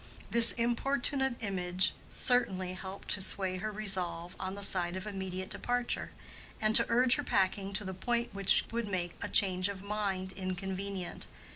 This importunate image certainly helped to sway her resolve on the side of immediate departure, and to urge her packing to the point which would make a change of mind inconvenient.